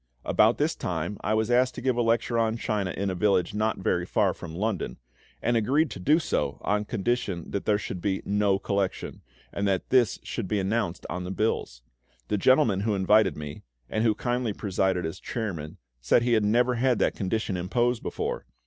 About this time I was asked to give a lecture on China in a village not very far from London, and agreed to do so on condition that there should be no collection, and that this should be announced on the bills. The gentleman who invited me, and who kindly presided as chairman, said he had never had that condition imposed before.